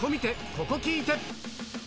ここ聴いて！